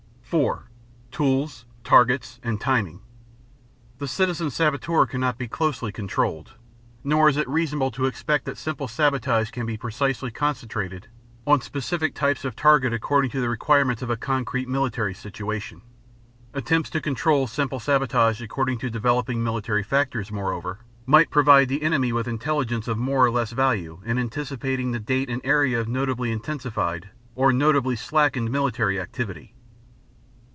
4. TOOLS, TARGETS, AND TIMING The citizen saboteur cannot be closely controlled. Nor is it reasonable to expect that simple sabotage can be precisely concentrated on specific types of target according to the requirements of a concrete military situation. Attempts to control simple sabotage according to developing military factors, moreover, might provide the enemy with intelligence of more or less value in anticipating the date and area of notably intensified or notably slackened military activity.